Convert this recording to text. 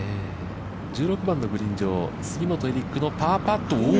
１６番のグリーン上、杉本エリックのパーパット、おー。